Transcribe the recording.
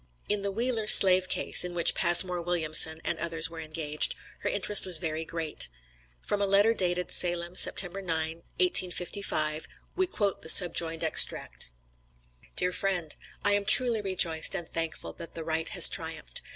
In the Wheeler slave case, in which Passmore Williamson and others were engaged, her interest was very great. From a letter dated Salem, September 9, 1855, we quote the subjoined extract: DEAR FRIEND: I am truly rejoiced and thankful that the right has triumphed.